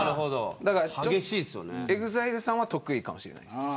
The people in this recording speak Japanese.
だからＥＸＩＬＥさんは得意かもしれません。